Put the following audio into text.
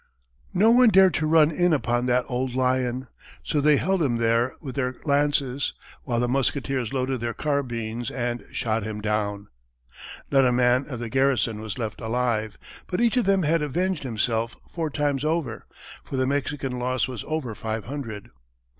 No one dared to run in upon that old lion. So they held him there with their lances, while, the musketeers loaded their carbines and shot him down. Not a man of the garrison was left alive, but each of them had avenged himself four times over, for the Mexican loss was over five hundred.